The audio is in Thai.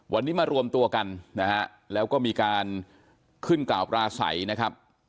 วันนี้มารวมตัวกันนะฮะแล้วก็มีการขึ้นกล่าวปราศัยนะครับ